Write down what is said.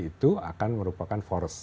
itu merupakan forest